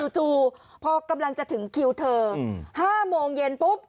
จู่พอกำลังจะถึงคิวเธอ๕โมงเย็นปุ๊บ